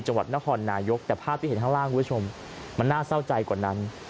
จังหวัดนครนายกแต่ภาพที่เห็นข้างล่างคุณผู้ชมมันน่าเศร้าใจกว่านั้น